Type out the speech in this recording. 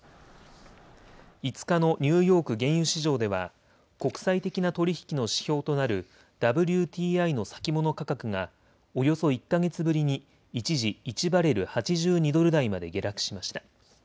５日のニューヨーク原油市場では国際的な取り引きの指標となるＷＴＩの先物価格がおよそ１か月ぶりに一時１バレル８２ドル台まで下落しました。